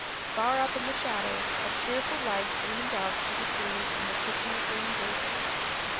Far up in the shadows a cheerful light gleamed out through the trees from the kitchen at Green Gables.